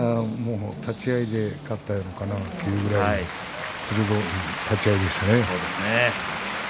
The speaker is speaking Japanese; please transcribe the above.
立ち合いで勝ったのかなというぐらい鋭い立ち合いでしたね。